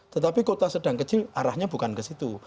tetapi kota sedang kecil arahnya bukan ke situ